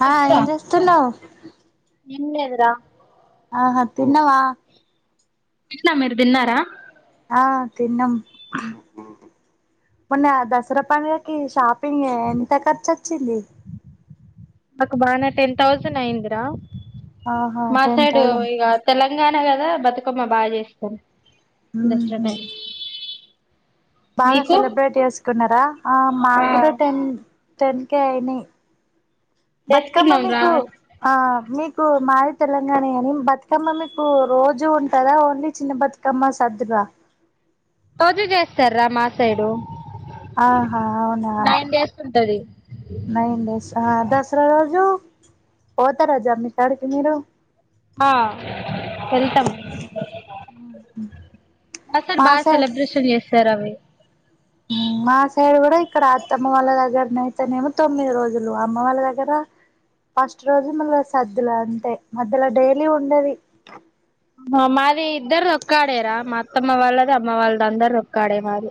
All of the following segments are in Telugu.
హా ఏం చేస్తున్నావ్ ఎంలేదురా అహా తిన్నవా తిన్న మీరు తిన్నారా ఆ తిన్నం మొన్న దసరా పండుగకి షాపింగ్ ఎంత ఖర్చు వచ్చింది మాకు బానే టెన్ థౌసండ్ అయిందిరా ఆహా టెన్ మాసైడు థౌజండ్ ఇగ తెలంగాణ కదా బతుకమ్మ బాగా చేస్తరు దసరా టైం బాగా మీకు సెలబ్రేట్ చేసుకున్నరా ఆ ఆ మాకూడా టెన్ టెన్ కె అయినయి బతుకమ్మ చేసుకున్నాం రా మీకు ఆ మీక్ కు మాది తెలంగాణే అని బతుకమ్మ మీకు రోజు ఉంటందా ఓన్లీ చిన్న బతుకమ్మ సద్దులా రోజూ చేస్తర్ రా మా సైడు ఆహా అవునా నైన్ డేస్ ఉంటది నైన్ డేస్ ఆ దసరా రోజు పోతరా జమ్మి కాడికి మీరు ఆ వెల్తమ్ మా కడ బాగా సెలబ్రేషన్ చేస్తరు అవి ఉమ్ మా సైడ్ కూడా ఇక్కడ అత్తమ్మ వాళ్ళ దగ్గర నైయితేనేమో తొమ్మిది రోజులు అమ్మ వాళ్ళ దగ్గర ఫస్ట్ రోజు మళ్ళ సద్దుల అంటే మధ్యల డైలీ ఉండది మ మాది ఇద్దరిది ఒక్కాడేరా మా అత్తమ్మ వాళ్ళది అమ్మ వాళ్ళది అందరిది ఒక్కాడే మాది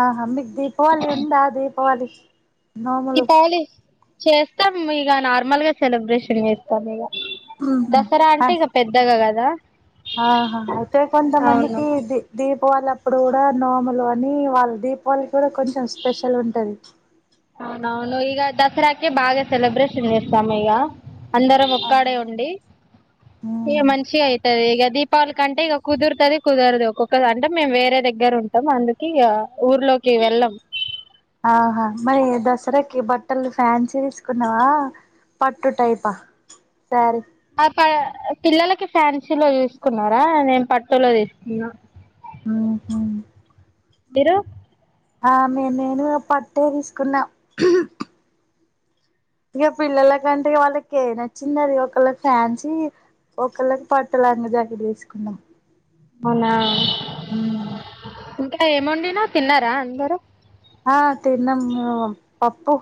ఆహా మీకు దీపావళి ఉందా దీపవళి దీపావళి చేస్తం ఇగ నార్మల్ గా సెలబ్రేషన్ చేస్తం ఇగ దసరా అంటే ఇగ పెద్దగా గదా ఆహా అయితే కొంతమందికి ది దీపవళి అప్ ప్పుడు కూడా నోములు అని వాళ్ళ దీపావళి కూడా కొంచెం స్పెషల్ ఉంటది అవునవును ఇగ దసరాకి బాగా సెలబ్రేషన్ చేస్తం ఇగ అందరం ఒక్కాడే ఉండి ఇగ మంచిగా అయితది ఇగ దీప్ పావళి కంటే ఇక కుదురుతుంది కుదరదు ఒక్కొక్క అంటే మేము వేరే దగ్గర ఉంటాం అందుక ఇగ ఊర్లోకి వెళ్ళం ఆహా మరి దసరాకి బట్టలు ఫ్యాన్సీ తీసుకున్నావా పట్టు టైపా సారీ ఆ ప పిల్లలకి ఫ్యాన్సీలో తీసుకున్నరా నేను పట్టులో తీసుకున్న ఉహు మిరు ఆమె నేను పట్టే తీసుకున్న ఇగ పిల్లల కంటే ఇగ వాళ్ళకి ఏ నచ్చిందది ఒకలకి ఫ్యాన్సీ ఒకళ్ళకి పట్టులంగ జాకెట్ తీస్కున్నం అవ్నా ఉమ్మ్ ఇంకా ఏమొండినవ్ తిన్నరా అందరు ఆ తిన్నం మేము పప్పు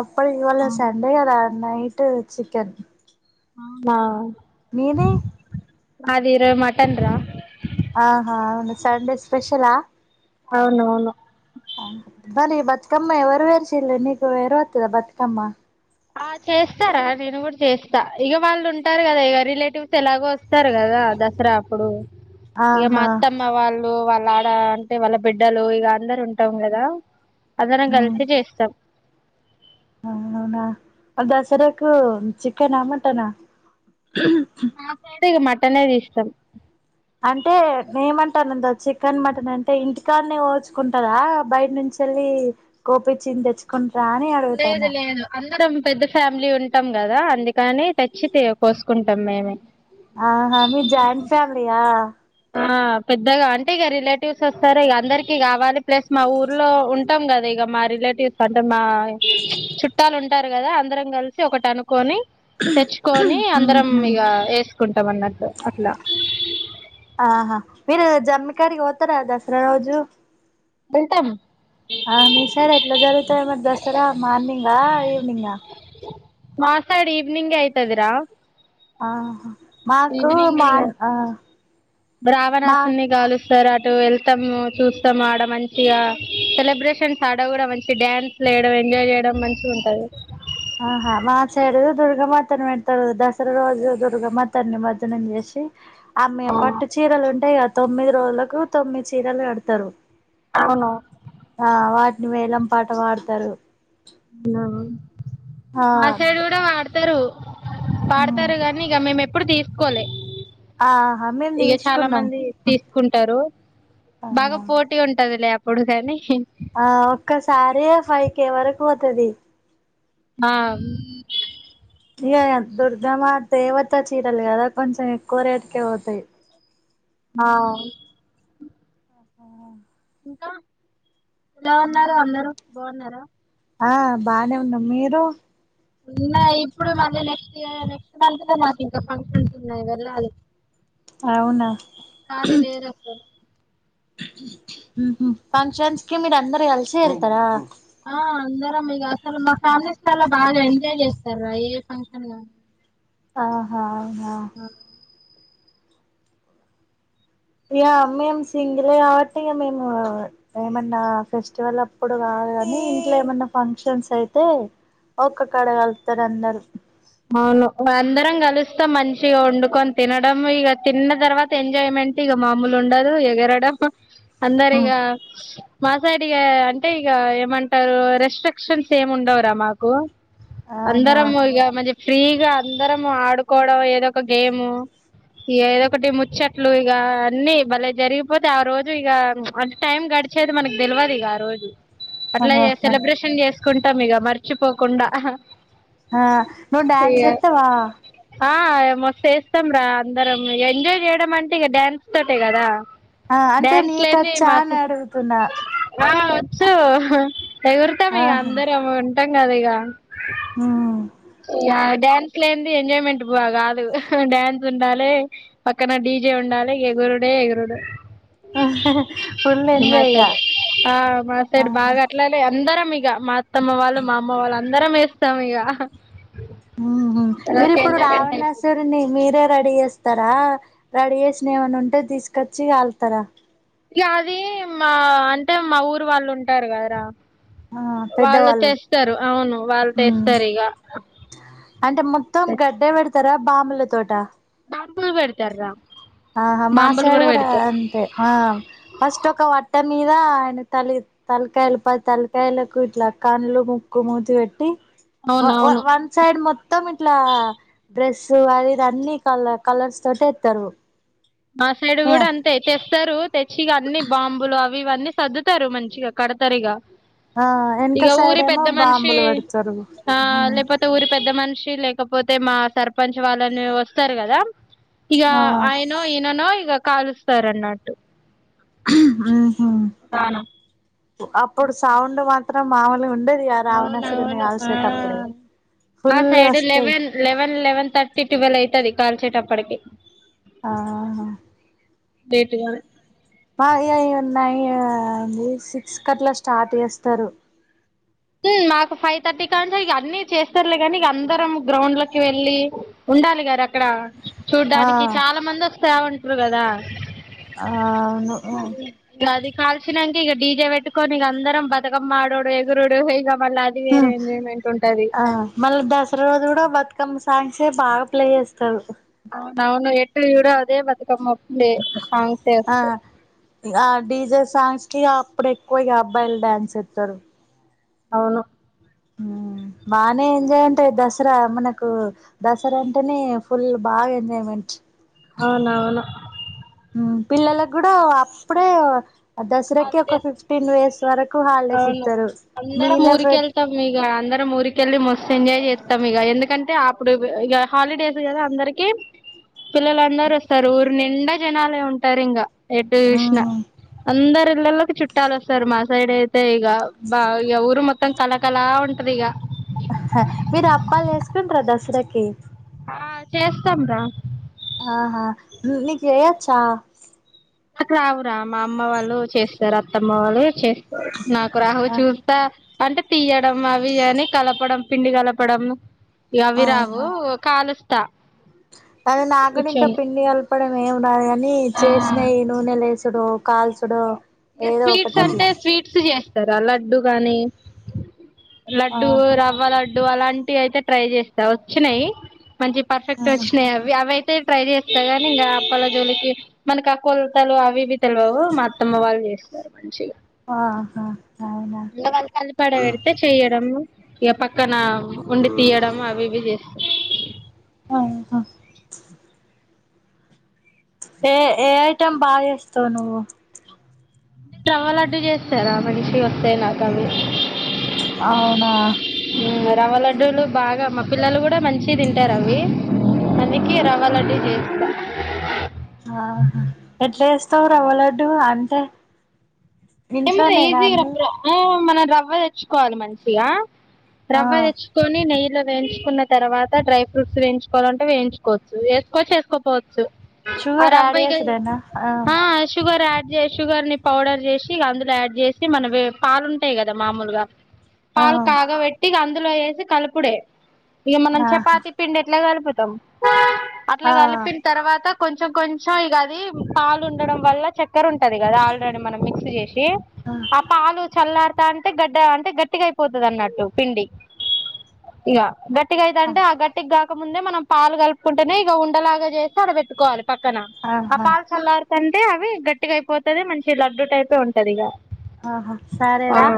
అప్పడ్ ఇవాల సండేగద నైటు చికెన్ ఔనా మీది మాది రో మటన్ రా ఆహా అవును సండే స్పెషలా ఔనవును దని బతుకమ్మ ఎవరు వేర్షిల్లు నీకు వేరువత్తద బతుకమ్మ ఆ చేస్తారా నేను కూడా చేస్తా ఇగ వాళ్ళుంటారు కదా ఇక రిలేటివ్స్ ఎలాగో వస్తరు కదా ఆ దసరా అప్పుడు ఇగ మా ఆహా అత్తమ్మ వాళ్ళు వా లాడ అంటే వాళ్ళ బిడ్డలు ఇగ అందరు ఉంటం కదా అందరం కల్సే చేస్తాం అవునవున వాల్ దసరాకు చికెనా మటనా [unintelligible] ఇగా మటనే తీస్తారు అంటే నేమంటాన ద చికెన్ మటన్ అంటే ఇంటికానే కొచ్కుంటరా బైట్నుంచెళ్ళి కోపిచ్చింది తెచ్చుకు రాణి లేదు అడుగుతన లేదు అందరం పెద్ద ఫ్యామిలీ ఉంటం కదా అందుకని తెచ్చి తె కోస్కుంటమ్ మేమె ఆహా మీది జాయింట్ ఫ్యామిలియా ఆ పెద్దగా అంటే ఇగ రిలేటివ్స్ వస్తారు ఇగ అందరికి కావాలి ప్లస్ మా ఊర్లో ఉంటాం గా అదె ఇగ మా రిలేటివ్స్ అంటే మా చుట్టాలు ఉంటారు కదా అందరం కల్సి ఒకటనుకొని తెచ్చుకొని అందరం ఇగ ఏస్కుంటం అన్నట్లు అట్లా ఆహా మీరు జమ్మికాడికి పోతరా దసరా రోజు వెళ్తం ఆ మీ సైడ్ ఎట్ల జరుగుతది మరి దసరా మార్నింగా ఈవినింగా మా సైడ్ ఈవ్నింగే అయితదిర ఆహ్ మాకు మాన్ ఆ బ్రావరాసున్ని గాలు సర్ అటు వెళ్తాము చూస్తం ఆడ మంచిగా సెలబ్రేషన్స్ ఆడ కూడా మంచి డ్యాన్స్ చేయడం ఎంజాయ్ చేయడం మంచిగ ఉంటది ఆహా మాసైడు దుర్గ మాతాని పెడ్తరు దసరా రోజు దుర్గ మాత నిమర్జనం చేష్ ఆమె పట్టు చీరలు ఉంటే ఆ తొమ్మిది రోజులకు తొమ్మిది చీరలు కడతరు అవును ఆ వాట్ని వేలం పాట పాడ్తరు అ ఆ మా సైడ్ కుడ పాడ్తరు ఉమ్ పాడ్తరు గనీ ఇగ మేము ఎప్పుడు తిస్కోలే ఆహా మేము ఇగ చాలా తీసుకున్నాం మంది తీస్కుంటరూ ఆ బాగ పోటి ఉంటదిలే అప్పుడు కనీ ఆ ఒక్కసారియె ఫై కే వరకు పోతది మామ్ ఇగ య దుర్గమ్మ దేవత చీరల్ కదా కొంచెం ఎక్కువ రేట్కె పోతయి. నౌ ఆ ఇంకా ఎలా ఉన్నారూ అందరు బావున్నారా ఆ బానే ఉన్నం మీరు ఉన్నా ఇప్పుడు మళ్ళీ నెక్స్ట్ ఇయ నెక్స్ట్ మంత్ లో నాకు ఇంకా ఫంక్షన్స్ ఉన్నాయి వెళ్ళాలి అవున ఖాళీ లేదు అసలు మ్ హ్ ఫంక్షన్స్కి మీరందర్ కల్సే ఎళ్తరా? ఆ అందరం ఇగ అక్కడ మా ఫ్యామిలీస్ చాలా బాగా ఎంజాయ్ చేస్తార్రా ఏ ఫంక్షన్ ఆ హా హా యా మేం సింగిలే కాబట్టి ఇగ మేమ్ ఏమన్నా ఫెస్టివలప్పుడు గా కానీ ఇంట్ల ఏమన్న ఫంక్షన్స్ అయితే ఒక్క కాడ కళ్తర్ అందరు అవును మా అందరం కలుస్తాం మంచిగ వండుకొన్ తినడం ఇగ తిన్న తర్వాత ఎంజాయ్మెం మెంటిగ మాముల్ ఉండదు ఎగరడం అందరిగా మా సైడ్ ఇగ అంటే ఇగ ఏమంటారు రెస్ట్రిక్షన్స్ ఏం ఉండవ్ రా మాకు అవునా అందరము ఇగ మ ఫ్రీగా అందరం ఆడుకోడం ఏదో ఒక గేము ఏదో ఒకటి ముచ్చట్లు ఇగ అన్ని బలే జరిగిపోతే ఆ రోజు ఇగ అంటే టైం గ డిచేది మనక్ దెల్వదిగ ఆ రోజు ఆహా అట్లయే సెలబ్రేషన్ చేస్కుంటం ఇగ మర్చిపోకుండా అహ ఆ నువ్ డ్యాన్స్ చేత్తవా ఆ మస్తేస్తాం రా అందరం ఇగ ఎంజాయ్ చేయడం అంటే ఇగ డ్యాన్స్ తోటే కదా ఆ అంటే డ్యాన్స్ లేంది నీకొచ్చా మాకు అని అడుగుతున్నా ఆ వొస్ సో ఎగుర్తం ఇగ ఆహా అందరం ఉంటం కదా ఇగ ఉమ్ యా డ్యాన్స్ లేంది ఎంజాయ్మెంట్ బా కాదు. డ్యాన్స్ ఉండాలే పక్కన డీజే ఉండా లె ఎగురుడే ఎగురుడు. ఫుల్ ఎంజాయ్ ఇగ ఆ మాసైడ్ బాగా అట్లనే అందరం మీ గ మా అత్తమ్మ వాళ్ళు, మా అమ్మ వాళ్ళు అందరం ఏస్తాం ఇగ మ్ హ్ మీరిప్పుడు ఎంజాయ్మెంట్ అయిపోద్ది రావణాసురుణ్ణి మీరే రెడీ చేస్తారా రెడీ చేసినయి ఏమన్నుంటే తీస్కొచ్చి కాల్తరా? యా అది మా అంటే మా ఊర్ వాళ్ళు ఉంటార్ కదరా ఆ వాళ్ళు పెద్దవాళ్ళు తెస్తరు. అవును వాళ్ళు మ్మ్ తెస్తరిగ అంటే మొత్తం గడ్డే పెడ్తరా బాంబుల తోటా బాంబుల్ పెడ్తర్రా ఆహా మాసైడ్ గుడా అంతే ఆ ఫస్ట్ ఒక వట్టన్ మీద ఆయన తలి తల్కాయలు పది తల్కాయలకు ఇట్ల కన్లు, ముక్కు, మూతి పెట్టి అవును వ వ అవును వన్సైడ్ మొ త్తం ఇట్లా డ్రెస్సు అది ఇది అన్ని కల కలర్స్తోట్ ఏత్తరు. మా సైడ్ గుడా అంతే తెస్తరు తెచ్చి ఇగ అన్నీ బాంబులు అవ్ ఇవన్నీ సర్దుతరు మంచిగా కడ్తరిగ ఆ వెనక ఇగ సైడ్ ఊరి ఏమో పెద్ద మనిషి బాంబులు పెడతారు ఆ లేపోతే ఊరి పెద్ద మన్ షి లేకపోతే మా సర్పంచ్ వాళ్ళన్ వస్తారు గదా ఇగ ఆ ఆయ ననో ఇగ కాలుస్తార్ అన్నట్టు. ఆ తానం. అప్పుడ్ సౌండ్ మాత్రం మామూల్గుండే అవునవును. ఆ మా ఫుల్ సైడ్ వస్తాయి eleven eleven eleven thirty twelve అయితది కాల్చేటప్పటికి ఆ హ లేట్గా పా అయ్యోయ్ ఉన్నాయి ఆ సిక్సకట్లా స్టార్ట్ చేస్తారు హ్మ్ నాకు ఫైవ్ థర్టీ కాంచే ఇగ అన్ని చేస్తారులే గానీ ఇగ అందరం గ్రౌండ్ లోకి వెళ్ళి ఉండాలిగా అక్కడ ఆ చూడ్డానికి చాలా మంది వస్తా ఉంటారు కదా ఆవును ఉ కాల్సినంకిగ డీజే పెట్టుకొని ఇగ అందరం బతుకమ్మ ఆడుడు ఎగురుడు ఇగ మళ్ళీ అది వేరే ఎంజాయ్మెంట్ ఉంటది ఆ మళ దసరా రోజు గూడా బతుకమ్మ సా సే బాగా ప్లే జేస్తరు అవునవును ఎట్టు జూడు అదే బతుక్ ఆ ఆ డీజే సాంగ్స్ కిగ అప్పుడేక్కువ ఇగ అబ్బాయిలు డాన్స్ ఏత్తరు. అవును హ్మ్ బానే ఎంజాయంట దసరా మనకు దసరా అంటేనే ఫుల్ బాగా ఎంజాయ్మెంట్. అవునవును పిల్లలగ్గూడా అప్పుడే దసరాకి ఒక హాలిడేస్ ఫిఫ్టీన్ వేస్ వరకు హాలిడేస్ అవును ఇత్తరు మిగిలిన ఫె తరం ఊరికెళ్ళి మొ సెంజాయ్ జేత్తం ఇగ ఎందుకంటే అప్పుడు ఇగ హాలిడేస్ గదా అందరికి పిల్లలందరు వస్తారు ఊరు నిండా జనాలే ఉంటారు ఇంగా ఎటు జూస్నా మ్మ్ అందరు ఇళ్లలోకి చుట్టాలు వస్తారు మా సైడ్ అయి తే ఇగ బా ఇగ ఊరు మొత్తం కలాకలా ఉంటదిగా కి ఆ చేస్తాం రా ఆహా నీకు జేయొచ్చా నాకు రావురా మా అమ్మ వాళ్ళు చేస్తారు అత్తమ్మ వాళ్ళు చేస్ నాకు రావు చూస్తా అంటే తీయడం అవి అని కలపడం. పిండి గలపడం అవి రావు కాలుస్ అది నాగ్గూడా ఇంకా పిండి కలపడం ఏమి రాదు గాని చేసినయ్ నూనె లేస్ తుడు కాల్చుడు ఏదో స్వీట్స్ ఒకటి అంటే అట్లా స్వీట్స్ చేస్ ర లడ్డు గాని లడ్డూ ఆహా రవ్వ ల అలాంటివి అయితే ట్రై జేస్తా వచ్చినయ్ మంచి పర్ఫెక్ట్ వచ్చినయ్ అవి అవై తే ట్రై జేస్తా గానీ ఇంగా అప్పల జోలికి మనకి ఆ కొలతలు అవి ఇవి తెలవవు మా అత్తమ్మ వాళ్ళు జేస్తారు మంచిగా ఆహా అవునా ఇంగ వాళ్ళు కలిపి ఆడ పెడితే చెయ్యడం ఇగ పక్కన ఉండి తీయడం అవివి జేస్ ఆహా ఏ ఏ ఐటెం బాగ జేస్తావ్ నువ్వు రవ్వ లడ్డు జేస్తారా మంచిగొస్తాయ్ నాకు అవి అవునా రవ్వ లడ్డూలు బాగా మా పిల్లలు గూడా మంచిగ తింటారు అవి అందుకే రవ్వలడ్డు జేస్తా ఆహా ఎట్లా జేస్తావ్ రవ్వ లడ్డు అంటే ఏము [unintelligible] ఇంట్లోనేనా ఈజీ అండి రప్పురా మన రవ్వ దెచ్చుకోవాలి మంచిగా ఆ రవ్వదెచ్చుకోని నెయ్యిలో వేంచుకున్న తర్వాత డ్రై ఫ్రూట్స్ వేంచుకోలంటే వేయించుకోవచ్చు ఏస్కోచ్చు ఏస్కోపోచ్ ఆ షుగర్ రవ్వ యాడ్ ఇగా చేసుడేనా ఆ షుగర్ యా జే షుగర్ ని పౌడర్ జేసి అందులో యాడ్ జేసి మనవి పాలుంటయ్ కదా మామూలుగా ఆ పాలు కాగబెట్టి అందులో ఏసి కలుపుడే ఇగ మనం ఆ చపాతి పిండి ఎట్లా కలుపుతాం అట్లా ఆ కలిపిన తర్వాత కొంచెం కొంచెం ఇగ అది పాలు ఉండడం వల్ల చక్కెర ఉంటది కదా ఆల్రెడీ మనం మిక్స్ చేసి ఆ పాలు చల్లార్ ట అంటే గడ్డ అంటే గట్టిగా అయిపోతది అన్నట్టు పిండి ఇగ గట్ ట్టిగా అయితాంటే ఆ గట్టిగాకముందే మనం పాలు కలుపుకుంటేనే ఇగఉండలాగా జేసి ఆడ బెట్టుకోవాలే పక్కన ఆ ఆహా పాలు చల్లారుతంటే అవి గట్టిగా అయిపోతది మంచి లడ్డు టైపే ఉంటది ఇగ ఆహ సరేరా